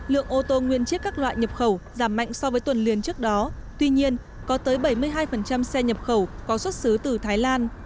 lượng ô tô nguyên chiếc các loại nhập khẩu giảm mạnh so với tuần liền trước đó tuy nhiên có tới bảy mươi hai xe nhập khẩu có xuất xứ từ thái lan